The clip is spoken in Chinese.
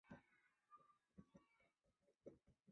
现是日本最大的公立大学之一。